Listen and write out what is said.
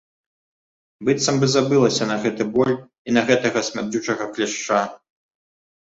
Быццам бы забылася на гэты боль, і на гэтага смярдзючага кляшча.